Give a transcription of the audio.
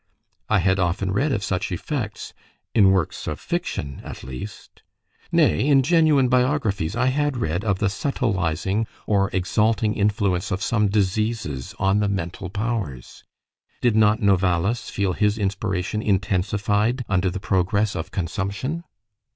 I had often read of such effects in works of fiction at least. Nay; in genuine biographies I had read of the subtilizing or exalting influence of some diseases on the mental powers. Did not Novalis feel his inspiration intensified under the progress of consumption?